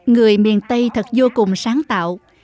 người miền tây thật vô cùng sáng tạo